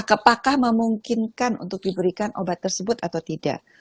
apakah memungkinkan untuk diberikan obat tersebut atau tidak